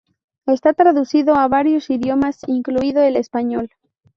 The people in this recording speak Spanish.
Está traducido a varios idiomas incluido el español.